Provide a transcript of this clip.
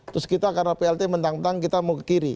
terus kita karena plt mentang mentang kita mau ke kiri